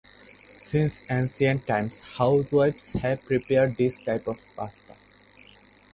Since ancient times housewives have prepared this type of pasta.